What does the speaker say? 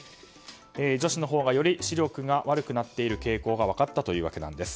女子のほうがより視力が悪くなっている傾向が分かったということです。